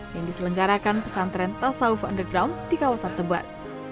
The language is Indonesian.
yang diselenggarakan pesantren tasawuf underground di kawasan tebet